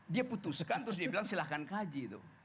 dia putuskan terus dia bilang silahkan kaji tuh